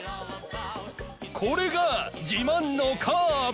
これがじまんのカーブ！